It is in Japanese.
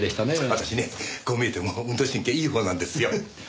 私ねこう見えても運動神経いいほうなんですよ。